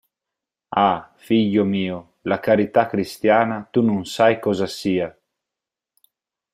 Ah, figlio mio, la carità cristiana tu non sai cosa sia!